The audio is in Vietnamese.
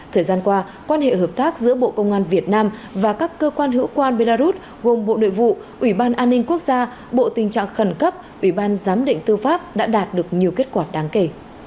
thời gian qua quan hệ hợp tác giữa bộ công an việt nam và các cơ quan hữu quan belarus gồm bộ nội vụ ủy ban an ninh quốc gia bộ tình trạng khẩn cấp ủy ban giám định tư pháp đã đạt được nhiều kết quả đáng kể